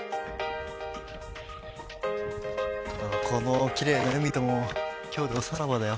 このきれいな海とも今日でおさらばだよ。